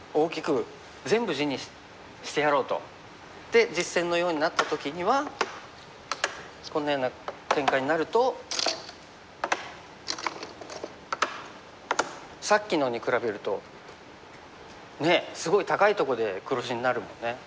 で実戦のようになった時にはこんなような展開になると。さっきのに比べるとねえすごい高いとこで黒地になるもんね。